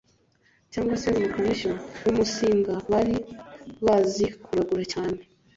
cyangwa se Runukamishyo w’umusinga bari bazi kuragura cyane